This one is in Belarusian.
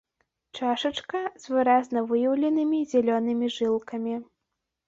Чашачка з выразна выяўленымі зялёнымі жылкамі.